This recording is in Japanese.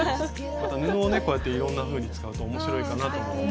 また布をねこうやっていろんなふうに使うと面白いかなとも思います。